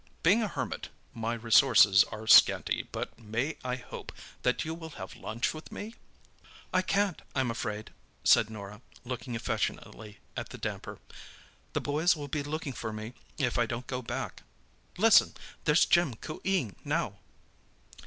Being a hermit my resources are scanty, but may I hope that you will have lunch with me? "I can't, I'm afraid," said Norah, looking affectionately at the damper. "The boys will be looking for me, if I don't go back. Listen—there's Jim coo eeing now!"